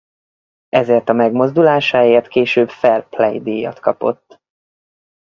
Ezért a megmozdulásáért később fair play-díjat kapott.